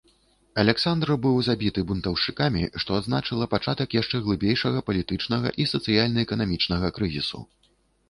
Аляксандр быў забіты бунтаўшчыкамі, што адзначыла пачатак яшчэ глыбейшага палітычнага і сацыяльна-эканамічнага крызісу.